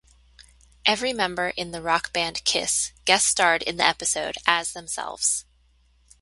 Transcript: Every member in the rock band Kiss guest starred in the episode as themselves.